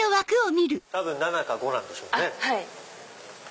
多分７か５なんでしょうね。